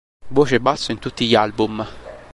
Voce e basso in tutti gli album.